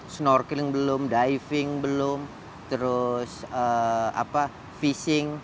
snorkeling belum diving belum terus fishing